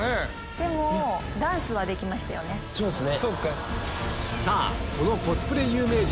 でもダンスはできましたよね。